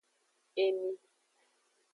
Emi.